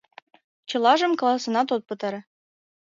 Чылажым каласенат от пытаре.